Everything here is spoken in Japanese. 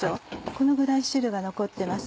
このぐらい汁が残ってます。